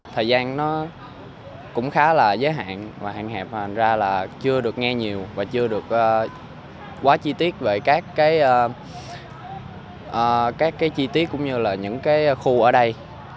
thời gian nó cũng khá là giới hạn và hạn hẹp hành ra là chưa được nghe nhiều và chưa được quá chi tiết về các cái chi tiết cũng như là những cái khu ở đây